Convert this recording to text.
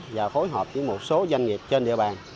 và phối hợp với một số doanh nghiệp trên địa bàn